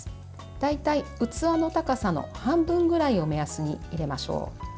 大体、器の高さの半分ぐらいを目安に入れましょう。